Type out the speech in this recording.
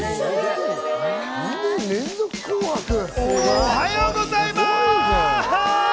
おはようございます。